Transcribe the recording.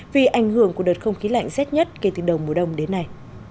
vì ảnh hưởng của đợt không khí lạnh rét nhất kể từ đầu mùa đông đến nay